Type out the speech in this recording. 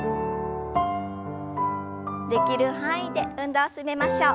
できる範囲で運動を進めましょう。